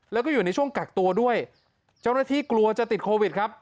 แล้วก็อยู่ในช่วงกักตัวด้วยเจ้าหน้าที่กลัวจะติดโควิดครับ